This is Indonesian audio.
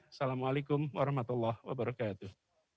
assalamu'alaikum warahmatullah wabarakatuh